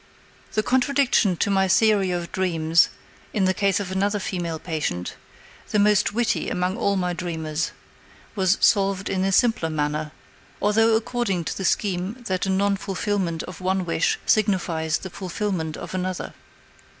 The contradiction to my theory of dreams in the case of another female patient, the most witty among all my dreamers, was solved in a simpler manner, although according to the scheme that the non fulfillment of one wish signifies the fulfillment of another.